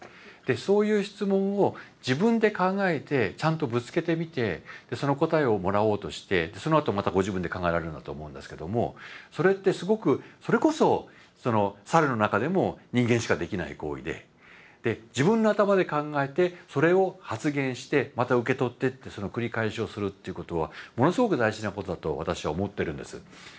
そういう質問を自分で考えてちゃんとぶつけてみてその答えをもらおうとしてそのあとまたご自分で考えられるんだと思うんですけどもそれってすごくそれこそ猿の中でも人間しかできない行為で自分の頭で考えてそれを発言してまた受け取ってってその繰り返しをするっていうことはものすごく大事なことだと私は思ってるんです。